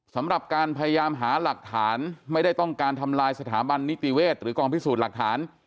สำหรับการพยายามหาหลักฐานไม่ได้ต้องการทำลายสถาบันนิติเวศหรือกองพิสูจน์หลักฐาน